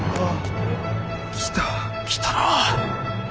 来た！来たな！